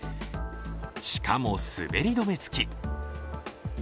しかも滑り止めつき。